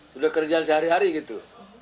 sudah kerjaan sehari hari gitu